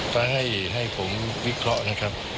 ก็ให้ผมวิเคราะห์นะครับ